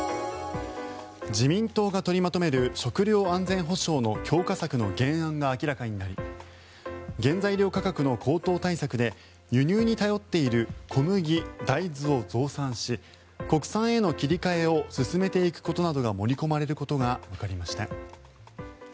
自民党が取りまとめる食料安全保障の強化策の原案が明らかになり原材料価格の高騰対策で輸入に頼っている小麦・大豆を増産し国産への切り替えを進めていくことなどが盛り込まれることがわかりました。